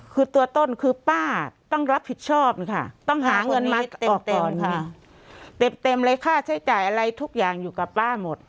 คือตัวต้นคือป้าต้องรับผิดชอบค่ะต้องหาเงินมาออกก่อนค่ะเต็มเลยค่าใช้จ่ายอะไรทุกอย่างอยู่กับป้าหมด